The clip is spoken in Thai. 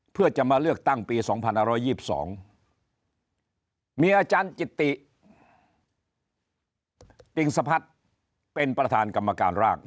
เพื่อจะมาเลือกตั้งปี๒๕๒๒มีอาจารย์จิติงสพัฒน์เป็นประธานกรรมการร่าง